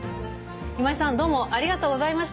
今井さんどうもありがとうございました。